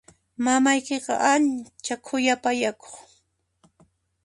Mamaykiqa ancha khuyapayakuq.